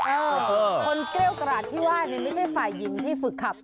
คนเกรี้ยวกราดที่ว่านี่ไม่ใช่ฝ่ายหญิงที่ฝึกขับ